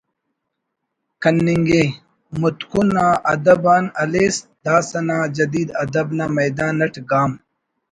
کننگ ءِ متکن آ ادب آن ہلیس داسہ نا جدید ادب نا میدان اٹ گام